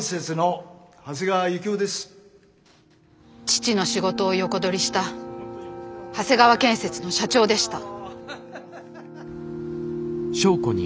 父の仕事を横取りした長谷川建設の社長でした。